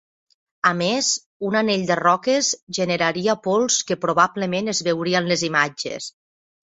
A més, un anell de roques generaria pols que probablement es veuria en les imatges.